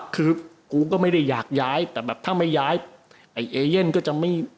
คือกูก็ไม่ได้อยากย้ายแต่แบบถ้าไม่ย้ายไอ้เอเย่นก็จะไม่